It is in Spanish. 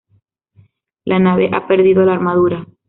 La nave ha perdido la armadura.